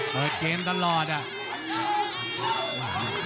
เปิดเกมตลอดอ่ะ